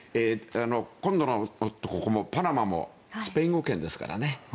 今度のパナマもスペイン語圏ですからね。